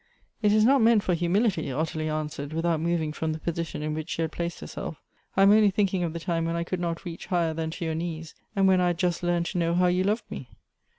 " It is not meant for humility," Ottilie answered, without moving from the position in which she had placed herself; " I am only thinking of the time when I could not reach higher than to your knees, and when I had just learnt to know how you loved me."